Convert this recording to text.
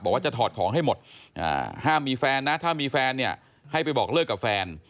บอกว่าจะถอดของให้หมดห้ามมีแฟนนะถ้ามีแฟนเนี่ยให้ไปบอกเลิกกับแฟน